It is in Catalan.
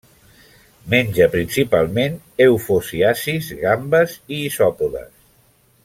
Menja principalment eufausiacis, gambes i isòpodes.